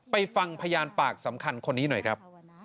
ไปฟังพยานปากสำคัญคนนี้หน่อยครับ